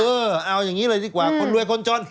เออเอาอย่างนี้เลยดีกว่าคนรวยคนจน